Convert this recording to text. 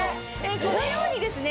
このようにですね